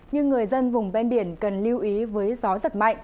nhưng người dân vùng ven biển cần lưu ý với gió giật mạnh